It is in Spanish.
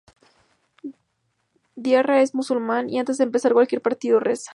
Diarra es musulmán y antes de empezar cualquier partido reza.